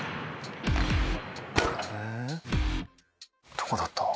「どこだった？」